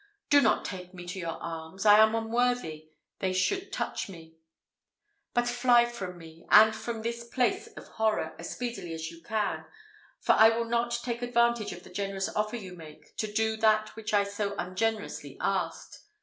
Do not take me to your arms; I am unworthy they should touch me; but fly from me, and from this place of horror, as speedily as you can, for I will not take advantage of the generous offer you make, to do that which I so ungenerously asked.